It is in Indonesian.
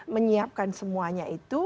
menyiapkan semuanya itu